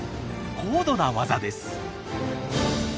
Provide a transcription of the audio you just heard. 高度な技です！